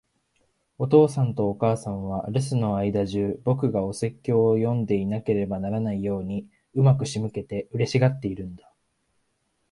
お父さんとお母さんは、留守の間じゅう、僕がお説教を読んでいなければならないように上手く仕向けて、嬉しがっているんだ。